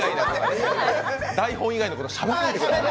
台本以外のことしゃべんないでください。